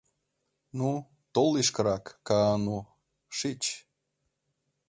— Ну, тол лишкырак, Каану, шич.